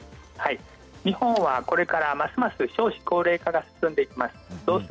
日本はこれからますます少子高齢化が進んでいきます。